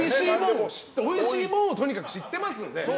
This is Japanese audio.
おいしいもんをとにかく知っていますので。